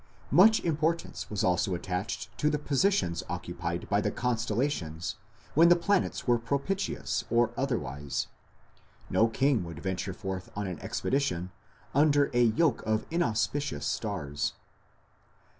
Much importance was also attached to the positions occupied by the constellations when the planets were propitious or otherwise; no king would venture forth on an expedition under a "yoke of inauspicious stars".